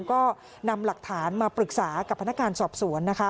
ก็นำหลักฐานมาปรึกษากับพนักงานสอบสวนนะคะ